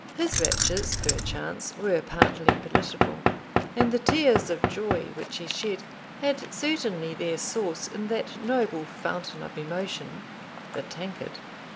His raptures, perchance, were partly political; and the tears of joy which he shed had certainly their source in that noble fountain of emotion, the tankard.